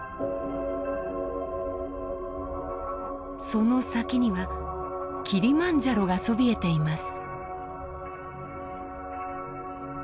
その先にはキリマンジャロがそびえています。